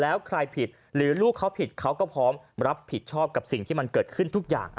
แล้วใครผิดหรือลูกเขาผิดเขาก็พร้อมรับผิดชอบกับสิ่งที่มันเกิดขึ้นทุกอย่าง